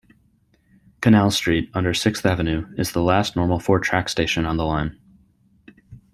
Canal Street, under Sixth Avenue, is the last normal four-track station on the line.